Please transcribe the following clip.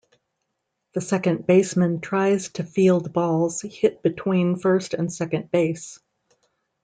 The second baseman tries to field balls hit between first and second base.